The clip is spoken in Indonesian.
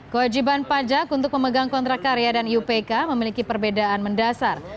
kewajiban pajak untuk memegang kontrak karya dan iupk memiliki perbedaan mendasar